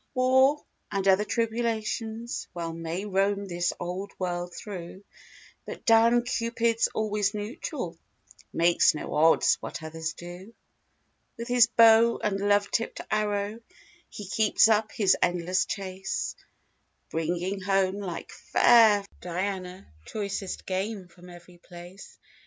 War, and other tribulations, Well may roam this old world through But Dan Cupid's always neutral— Makes no odds what others do. With his bow and love tipped arrow He keeps up his endless chase; Bringing home like fair Diana Choicest game from every place.